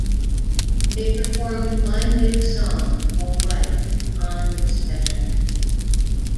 They performed one new song, "Alright," on this special.